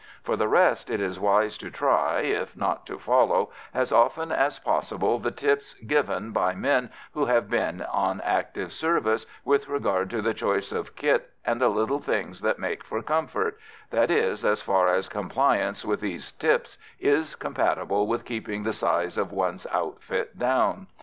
For the rest, it is wise to try, if not to follow, as often as possible the tips given, by men who have been on active service, with regard to the choice of kit and the little things that make for comfort that is, as far as compliance with these "tips" is compatible with keeping the size of one's outfit down.